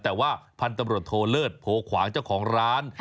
แต่ว่าพันธุ์ตำรวจโทเลิศโพขวางเจ้าของร้าน